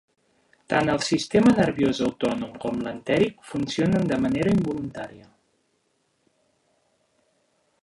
Tant el sistema nerviós autònom com l'entèric funcionen de manera involuntària.